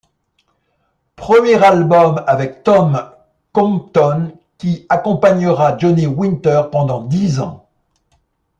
Premier album avec Tom Compton qui accompagnera Johnny Winter pendant dix ans.